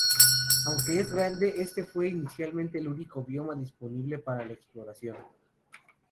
Aunque es grande, este fue inicialmente el único bioma disponible para la exploración.